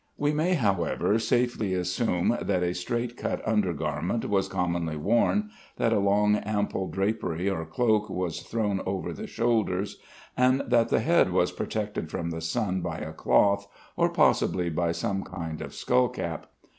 We may, however, safely assume that a straight cut under garment was commonly worn; that a long, ample drapery or cloak was thrown over the shoulders; and that the head was protected from the sun by a cloth, or possibly by some kind of skull cap.